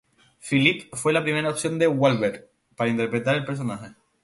Phillippe fue la primera opción de Wahlberg para interpretar el personaje.